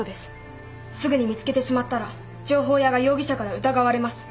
すぐに見つけてしまったら情報屋が容疑者から疑われます。